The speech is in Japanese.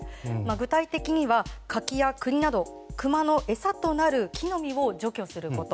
具体的には柿やクリなどクマの餌となる木の実を除去すること。